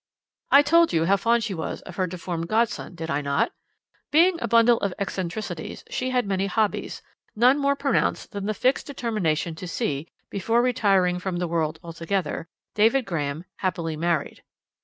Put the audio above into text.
"I told you how fond she was of her deformed godson, did I not? Being a bundle of eccentricities, she had many hobbies, none more pronounced than the fixed determination to see before retiring from the world altogether David Graham happily married.